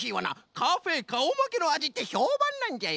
カフェかおまけのあじってひょうばんなんじゃよ。